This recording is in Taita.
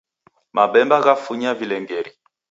Mabemba ghafunya vilengeri.